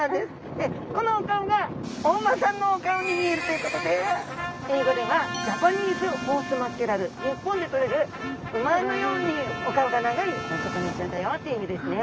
このお顔がお馬さんのお顔に見えるということで英語ではジャパニーズホースマッケレル日本でとれる馬のようにお顔が長いお魚ちゃんだよっていう意味ですね。